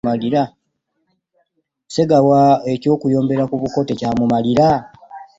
Ssegawa eky'okuyombera ku buko tekyamumalira?